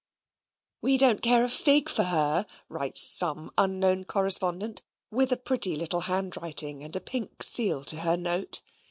"We don't care a fig for her," writes some unknown correspondent with a pretty little handwriting and a pink seal to her note.